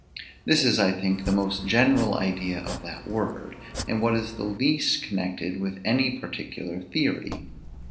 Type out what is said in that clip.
This is, I think, the most general idea of that word, and what is the least connected with any particular theory.